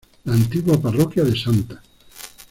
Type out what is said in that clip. La antigua parroquia de Sta.